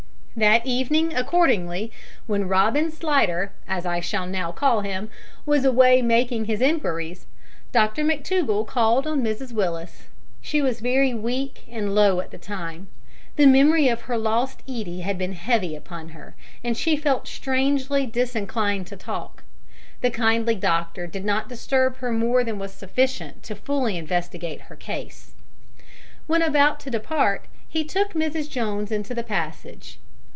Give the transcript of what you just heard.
That evening, accordingly, when Robin Slidder as I shall now call him was away making his inquiries, Dr McTougall called on Mrs Willis. She was very weak and low at the time. The memory of her lost Edie had been heavy upon her, and she felt strangely disinclined to talk. The kindly doctor did not disturb her more than was sufficient to fully investigate her case. When about to depart he took Mrs Jones into the passage.